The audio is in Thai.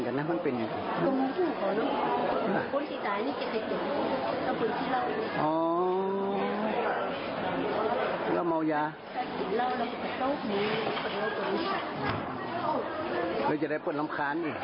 แล้วจะได้คนลำค้านอีก